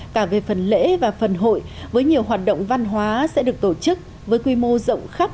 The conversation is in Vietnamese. cả về phần lễ và phần hội với nhiều hoạt động văn hóa sẽ được tổ chức với quy mô rộng khắp